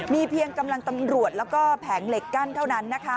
มีเพียงกำลังตำรวจแล้วก็แผงเหล็กกั้นเท่านั้นนะคะ